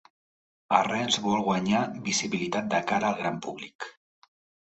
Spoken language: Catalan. Arrels vol guanyar visibilitat de cara al gran públic